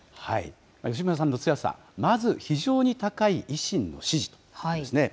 吉村さんの強さ、まず、非常に高い維新の支持ということですね。